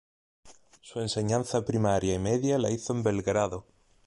Su enseñanza primaria y media la hizo en Belgrado.